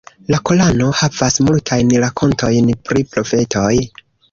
La Korano havas multajn rakontojn pri profetoj.